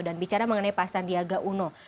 dan bicara mengenai pak sandiaga uno